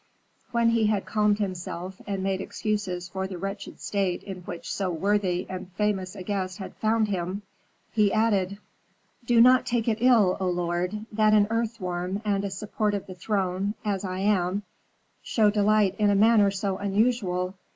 When he had calmed himself, and made excuses for the wretched state in which so worthy and famous a guest had found him, he added, "Do not take it ill, O lord, that an earthworm and a support of the throne, as I am, show delight in a manner so unusual.